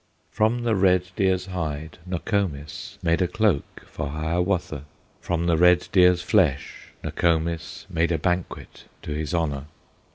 From the red deer's hide Nokomis Made a cloak for Hiawatha, From the red deer's flesh Nokomis Made a banquet to his honor.